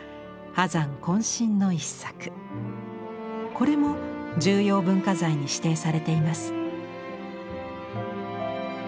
これも重要文化財に指定されています。